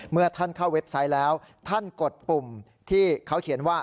เมื่อท่านเข้าเว็บไซต์แล้วท่านกดปุ่มที่เขาเขียนว่า